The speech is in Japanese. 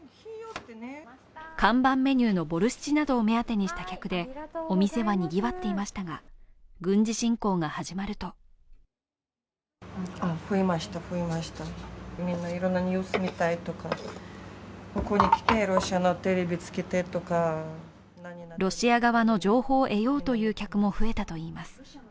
看板メニューのボルシチなどを目当てにした客でお店はにぎわっていましたが、軍事侵攻が始まるとロシア側の情報を得ようという客も増えたといいます。